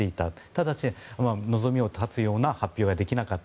ただし、望みを絶つような発表ができなかった。